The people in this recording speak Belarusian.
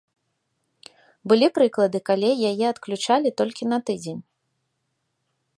Былі прыклады, калі яе адключалі толькі на тыдзень.